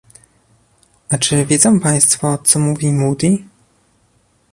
A czy wiedzą Państwo, co mówi Moody?